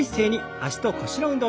脚と腰の運動。